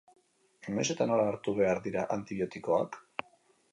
Noiz eta nola hartu behar dira antibiotikoak?